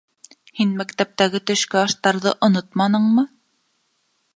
Һин мәктептәге төшкө аштарҙы онотманыңмы?